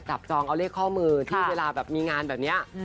จองเอาเลขข้อมือที่เวลาแบบมีงานแบบนี้